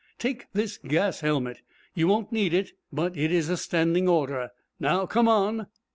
'Take this gas helmet. You won't need it, but it is a standing order. Now come on!'